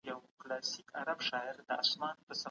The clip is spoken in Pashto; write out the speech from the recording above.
د هر لیکوال په اړه معلومات باید کره وي.